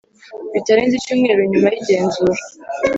bitarenze icyumweru nyuma y igenzura